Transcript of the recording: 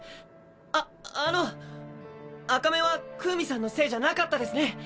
ああの赤目はクウミさんのせいじゃなかったですね。